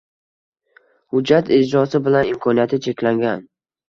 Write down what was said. Hujjat ijrosi bilan imkoniyati cheklangan